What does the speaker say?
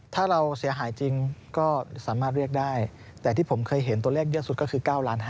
ถ้าเราเสียหายจริงก็สามารถเรียกได้แต่ที่ผมเคยเห็นตัวเลขเยอะสุดก็คือ๙๕๐๐